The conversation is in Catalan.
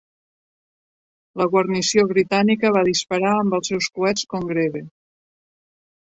La guarnició britànica va disparar amb els seus coets Congreve.